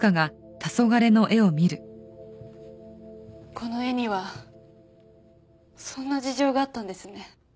この絵にはそんな事情があったんですね。